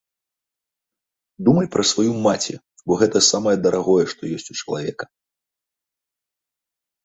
Думай пра сваю мацi, бо гэта самае дарагое, што ёсць у чалавека.